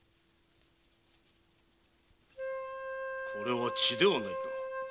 これは血ではないか？